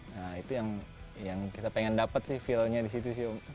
nah itu yang kita pengen dapet sih feelnya disitu sih om